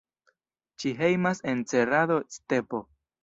Ĝi hejmas en Cerrado-stepo.